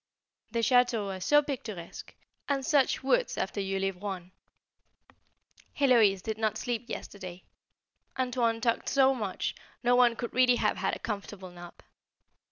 The Châteaux are so picturesque, and such woods! after you leave Rouen. Héloise did not sleep yesterday. "Antoine" talked so much, no one could really have had a comfortable nap.